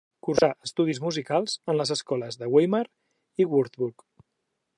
Cursà estudis musicals en les escoles de Weimar i Würzburg.